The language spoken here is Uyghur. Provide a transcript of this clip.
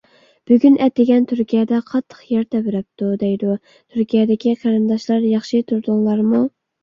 بۈگۈن ئەتىگەن تۈركىيەدە قاتتىق يەر تەۋرەپتۇ، دەيدۇ. تۈركىيەدىكى قېرىنداشلار، ياخشى تۇردۇڭلارمۇ؟